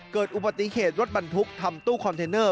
เกิดอุบัติเหตุรถบรรทุกทำตู้คอนเทนเนอร์